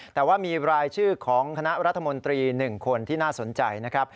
แต่ว่ามีรายชื่อของคณะรัฐมนตรี๑คนที่น่าสนใจนะครับ